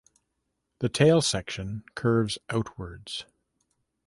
The tail section curves outwards.